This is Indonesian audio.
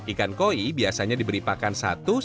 ikan koi biasanya diberi pakan satu sampai dua kali